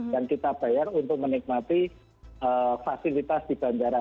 dan kita bayar untuk menikmati fasilitas di bandara